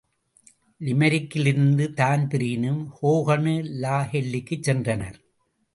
லிமெரிக்கிலிருந்து தான்பிரீனும் ஹோகனு, லாகெல்லிக்குச் சென்றனர்.